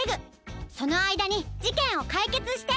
そのあいだにじけんをかいけつして！